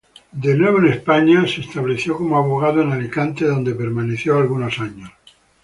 De nuevo en España, se estableció como abogado en Alicante, donde permaneció algunos años.